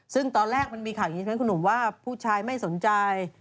ซึ่งตอนแรกมันมีข่าวอย่างนี้ใช่ไหมคุณหนุ่มว่าผู้ชายไม่สนใจ